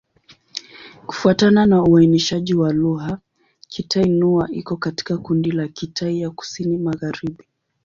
Kufuatana na uainishaji wa lugha, Kitai-Nüa iko katika kundi la Kitai ya Kusini-Magharibi.